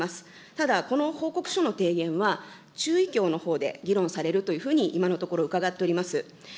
ただ、この報告書の提言は、中医協のほうで議論されるというふうに今のところ伺っております。